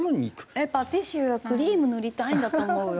えっパティシエはクリーム塗りたいんだと思うよ。